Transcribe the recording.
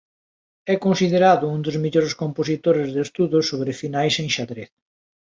É considerado un dos mellores compositores de estudos sobre finais en xadrez.